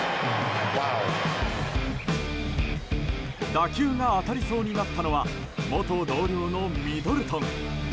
打球が当たりそうになったのは元同僚のミドルトン。